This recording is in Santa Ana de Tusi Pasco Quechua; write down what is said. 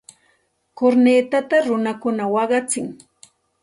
Kurnitata runakuna waqachin.